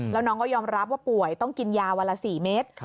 แล้วน้องก็ยอมรับว่าป่วยต้องกินยาวันละ๔เมตร